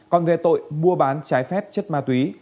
còn về tội mua bán trái phép chất ma túy